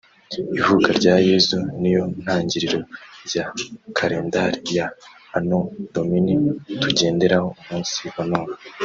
Ivuka rya Yezu ni yo ntangiriro rya kalendari ya Anno Domini tugenderaho umunsi wa none